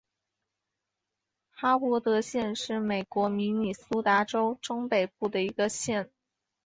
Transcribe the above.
哈伯德县是美国明尼苏达州中北部的一个县。